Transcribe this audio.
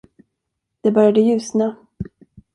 Det började ljusna.